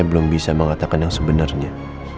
belum bisa mengatakan yang sebenarnya